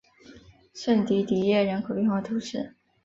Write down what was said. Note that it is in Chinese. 圣迪迪耶人口变化图示